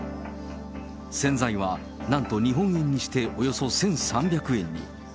洗剤はなんと日本円にしておよそ１３００円に。